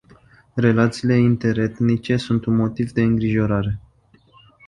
Relațiile interetnice sunt un motiv de îngrijorare.